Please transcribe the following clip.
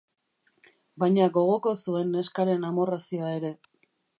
Baina gogoko zuen neskaren amorrazioa ere.